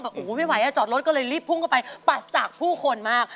แบบโอ้โหไม่ไหวจอดรถก็เลยรีบพุ่งเข้าไปปัดจากผู้คนมาก